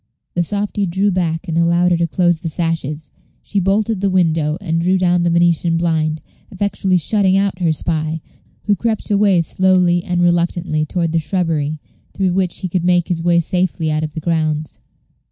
The softy drew back and allowed her to close the sashes; she bolted the window, and drew down the Venetian blind, effectually shutting out her spy, who crept away slowly and reluctantly toward the shrubbery, through which he could make his way safely out of the grounds.